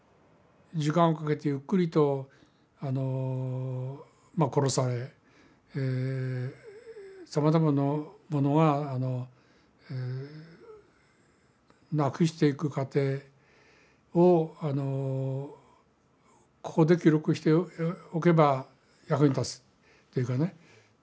時間をかけてゆっくりと殺されさまざまなものがなくしていく過程をここで記録しておけば役に立つっていうかね。